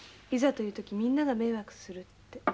いざという時皆が迷惑するって。